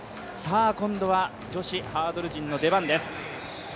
今度は女子ハードル陣の出番です。